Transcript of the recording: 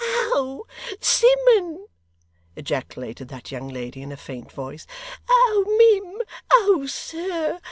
'Oh Simmun!' ejaculated that young lady in a faint voice. 'Oh mim! Oh sir!